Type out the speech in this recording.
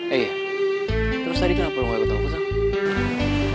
eh iya terus tadi kenapa lo gak ikut sama aku sama